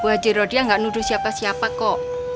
bu haji rodia gak nuduh siapa siapa kok